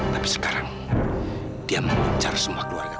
tapi sekarang dia mengincar semua keluarga